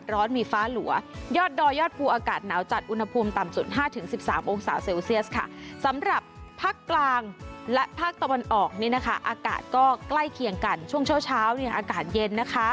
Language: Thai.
สำหรับภาคกลางและภาคตะวันออกนี่นะคะอากาศก็ใกล้เคียงกันช่วงเช้าเช้าเนี่ยอากาศเย็นนะคะ